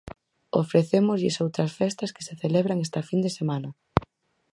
Ofrecémoslles outras festas que se celebran esta fin de semana.